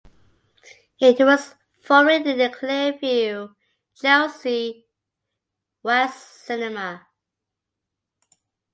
It was formerly the Clearview Chelsea West Cinema.